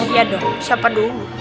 iya dong siapa dulu